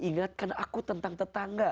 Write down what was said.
ingatkan aku tentang tetangga